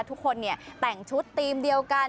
ทุกคนเนี่ยแต่งชุดธีมเดียวกัน